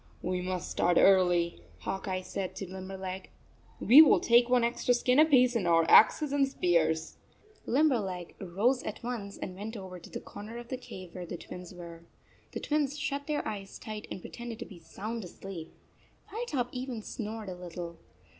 "We must start early," Hawk Eye said to Limberleg. " We will take one extra skin apiece and our axes and spears." Limberleg rose at once and went over to the corner of the cave where the Twins were. The Twins shut their eyes tight and pre tended to be sound asleep. Firetop even snored a little.